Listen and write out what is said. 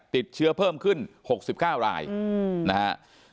ติดเชื้อเพิ่มขึ้น๖๙รายนะครับ